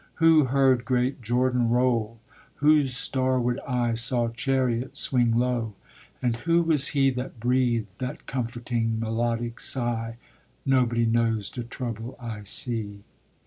Who heard great "Jordan roll"? Whose starward eye Saw chariot "swing low"? And who was he That breathed that comforting, melodic sigh, "Nobody knows de trouble I see?"